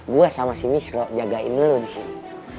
gue sama si mislo jagain lo disini